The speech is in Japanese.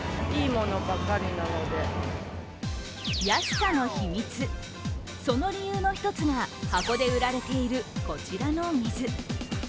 安さの秘密、その理由の１つが箱で売られているこちらの水。